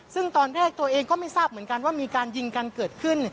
ซึ่งตอนแรกตัวเองก็ไม่ทราบเหมือนกันว่ามีการยิงกันเกิดขึ้น